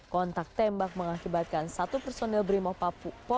kontak tembak antara kksb dengan brimop